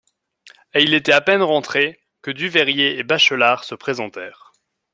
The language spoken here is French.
Et il était à peine rentré, que Duveyrier et Bachelard se présentèrent.